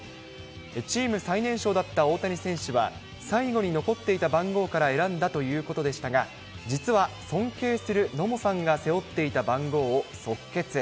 チーム最年少だった大谷選手は、最後に残っていた番号から選んだということでしたが、実は、尊敬する野茂さんが背負っていた番号を即決。